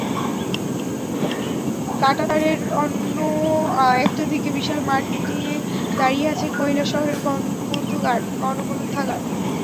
কাঁটাতারের অন্য একটা দিকে বিশাল মাঠ নিয়ে দাঁড়িয়ে আছে কৈলা শহরের গণগ্রন্থাগার।